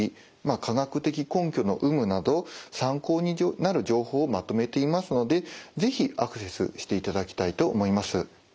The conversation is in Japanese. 科学的根拠の有無など参考になる情報をまとめていますので是非アクセスしていただきたいと思います。